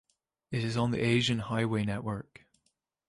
It is on the Asian highway network.